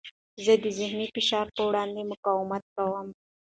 زه د ذهني فشار په وړاندې مقاومت کوم.